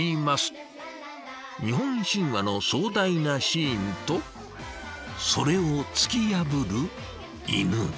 日本神話の壮大なシーンとそれを突き破る犬。